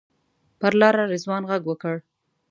پر لاره رضوان غږ وکړ.